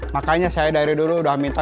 makanya saya dari dulu udah minta